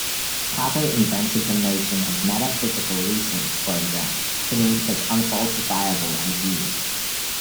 Popper invented the notion of metaphysical research programs to name such unfalsifiable ideas.